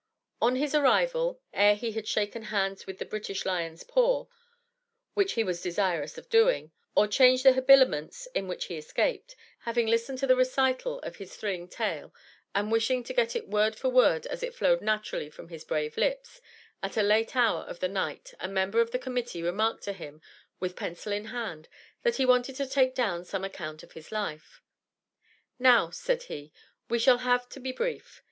On his arrival, ere he had "shaken hands with the (British) Lion's paw," (which he was desirous of doing), or changed the habiliments in which he escaped, having listened to the recital of his thrilling tale, and wishing to get it word for word as it flowed naturally from his brave lips, at a late hour of the night a member of the Committee remarked to him, with pencil in hand, that he wanted to take down some account of his life. "Now," said he, "we shall have to be brief.